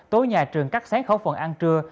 tối nhà trường cắt sáng khẩu phần ăn trưa